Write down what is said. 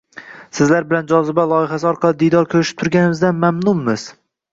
Sizlar bilan Joziba loyihasi orqali diydor ko‘rishib turganimizdan mamnunmiz.